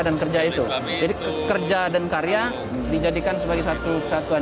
dan kerja itu jadi kerja dan karya dijadikan sebagai satu satuan